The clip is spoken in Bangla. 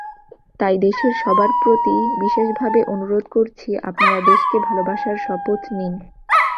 তাই দেশের সবার প্রতি বিশেষভাবে অনুরোধ করছি, আপনারা দেশকে ভালোবাসার শপথ নিন।